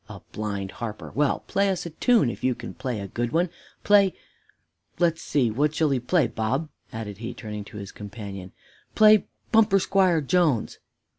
A blind harper! Well, play us a tune, if you can play a good one play let's see, what shall he play, Bob?" added he, turning to his companion. "Play 'Bumper Squire Jones.'"